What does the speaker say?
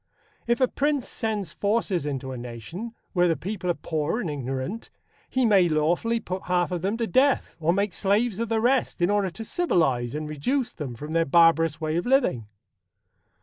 If a prince sends forces into a nation, where the people are poor and ignorant, he may lawfully put half of them to death or make slaves of the rest, in order to civilize and reduce them from their barbarous way of living.